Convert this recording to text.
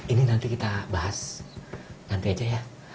ini nanti kita bahas nanti aja ya